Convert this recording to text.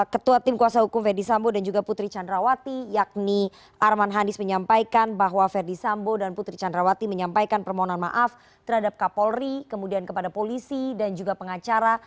ketua tim kuasa hukum ferdisambo dan juga putri candrawati yakni arman hanis menyampaikan bahwa verdi sambo dan putri candrawati menyampaikan permohonan maaf terhadap kapolri kemudian kepada polisi dan juga pengacara